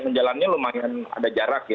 sambungan jalannya lumayan ada jarak ya